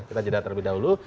kita jeda terlebih dahulu